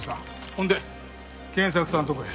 ほんで賢作さんとこや。